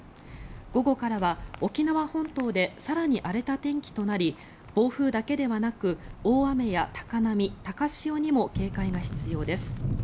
午後からは沖縄本島で更に荒れた天気となり暴風だけではなく大雨や高波、高潮にも警戒が必要です。